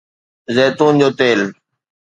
زيتون جو تيل